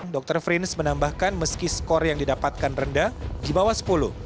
dr frins menambahkan meski skor yang didapatkan rendah di bawah sepuluh